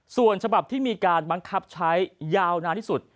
ส่วนฉบับที่มีการบังคับใช้ยาวนานที่สุด